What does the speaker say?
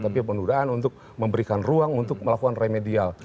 tapi penundaan untuk memberikan ruang untuk melakukan remedial